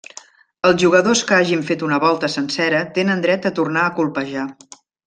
Els jugadors que hagin fet una volta sencera tenen dret a tornar a colpejar.